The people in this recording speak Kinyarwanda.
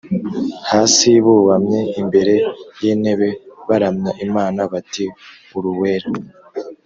Hasi bubamye imbere y’ intebe baramya Imana bati uruwera